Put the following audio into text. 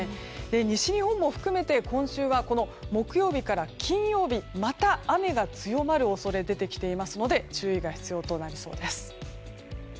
西日本も含めて今週は木曜日から金曜日にまた雨が強まる恐れが出てきていますので注意が必要となりそうです。